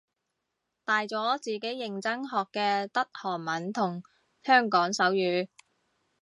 大咗自己認真學嘅得韓文同香港手語